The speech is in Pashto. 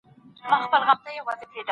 خداي ج د خپلو بنده ګانو ږغ اوري.